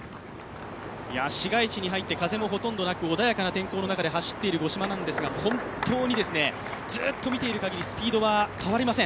市街地に入って風もほとんどなく穏やかな天候の中、走っている五島ですが、本当にずっと見ている限りスピードは変わりません。